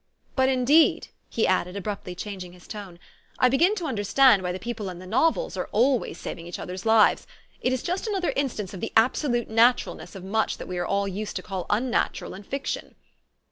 But indeed," he added, abruptly changing his tone, " I begin to understand why the people in the novels always are saving each other's lives. It is just another instance of the absolute naturalness of much that we are all used to call unnatural in fiction."